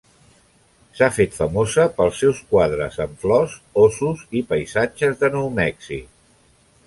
S'ha fet famosa pels seus quadres amb flors, ossos i paisatges de Nou Mèxic.